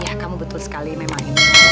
ya kamu betul sekali memang ini